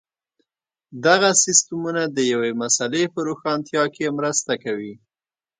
دغه سیسټمونه د یوې مسئلې په روښانتیا کې مرسته کوي.